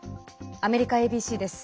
アメリカＡＢＣです。